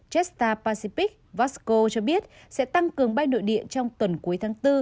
jetstar pacific vasco cho biết sẽ tăng cường bay nội địa trong tuần cuối tháng bốn